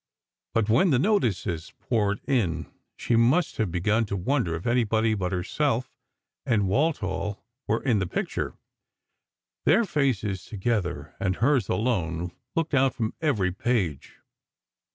But when the notices poured in, she must have begun to wonder if anybody but herself and Walthall were in the picture. Their faces together, or hers alone, looked out from every page.